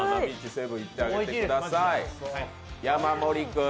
セヴン、行ってあげてください。